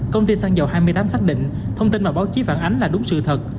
công ty xăng dầu hai mươi tám xác định thông tin mà báo chí phản ánh là đúng sự thật